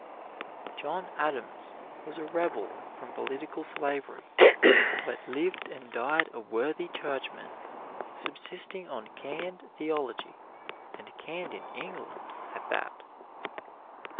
John Adams was a rebel from political slavery, but lived and died a worthy Churchman, subsisting on canned theology and canned in England, at that.